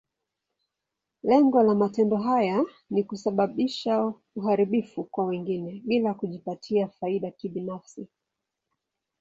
Lengo la matendo haya ni kusababisha uharibifu kwa wengine, bila kujipatia faida binafsi.